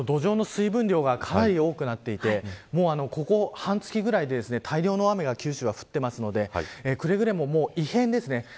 今、土壌の水分量がかなり多くなっていてここ半月くらいで、大量の雨が九州は降っているのでくれぐれも異変ですね。